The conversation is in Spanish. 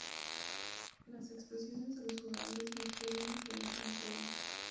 Las expresiones de los jugadores más jóvenes lo dicen todo.